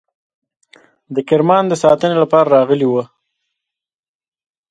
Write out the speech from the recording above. د کرمان د ساتنې لپاره راغلي وه.